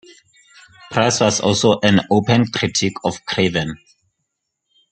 Price was also an open critic of Craven.